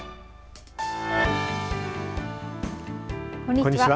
こんにちは。